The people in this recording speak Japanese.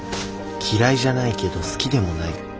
嫌いじゃないけど好きでもない。